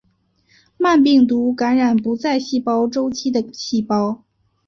慢病毒感染不在细胞周期的细胞。